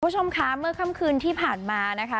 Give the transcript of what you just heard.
คุณผู้ชมคะเมื่อค่ำคืนที่ผ่านมานะคะ